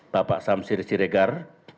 bapak samsiri siregar